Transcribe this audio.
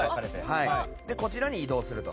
こちらに移動すると。